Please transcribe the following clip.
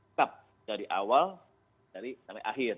tetap dari awal sampai akhir